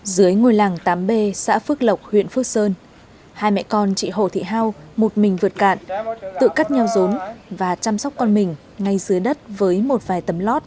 dưới ngôi làng tám b xã phước lộc huyện phước sơn hai mẹ con chị hồ thị hao một mình vượt cạn tự cắt nhau rốn và chăm sóc con mình ngay dưới đất với một vài tấm lót